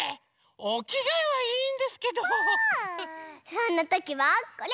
そんなときはこれ！